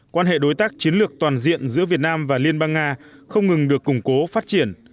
quan hệ đối tác chiến lược toàn diện giữa việt nam và liên bang nga không ngừng được củng cố phát triển